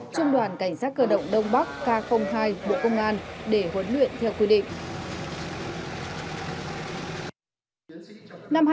trung đoàn cảnh sát cơ động đông bắc k hai bộ công an để huấn luyện theo quy định